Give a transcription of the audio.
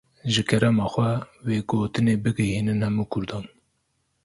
Ji kerema xwe, vê gotinê bigihînin hemû Kurdan.